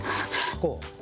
こう。